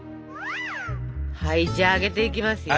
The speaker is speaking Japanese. はいじゃあ揚げていきますよ。